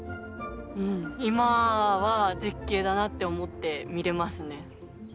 今は絶景だなって思って見れますね。